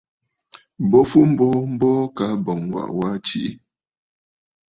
Bo fu mboo mboo, kaa ɨ̀bɔ̀ŋ ɨ waʼa waa tiʼì.